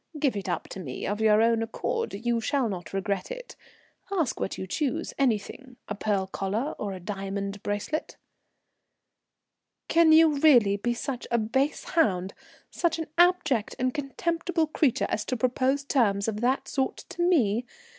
Give it up to me of your own accord, you shall not regret it. Ask what you choose, anything a pearl collar or a diamond bracelet " "Can you really be such a base hound, such an abject and contemptible creature, as to propose terms of that sort to me?